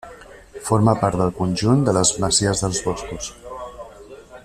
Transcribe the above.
Forma part del conjunt de les Masies dels Boscos.